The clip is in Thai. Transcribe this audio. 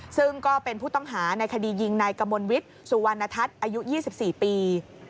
ซึ่งก็เป็นผู้ต้องหาในคดียิงนายกมลวิทย์สุวรรณทัศน์อายุ๒๔ปี